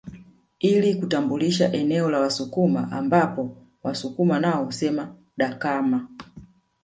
Ili kutambulisha eneo la Wasukuma ambapo Wasukuma nao husema Dakama